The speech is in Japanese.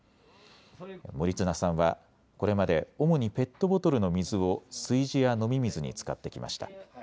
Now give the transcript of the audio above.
森綱さんはこれまで主にペットボトルの水を炊事や飲み水に使ってきました。